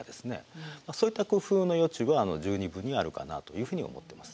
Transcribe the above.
そういった工夫の余地は十二分にあるかなというふうに思ってます。